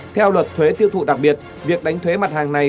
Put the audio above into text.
theo luật thuế tiêu thụ đặc biệt việc đánh thuế mặt hàng này